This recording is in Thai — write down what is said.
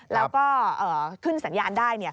แล้วก็ขึ้นสัญญาณได้